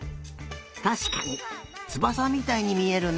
たしかにつばさみたいにみえるね。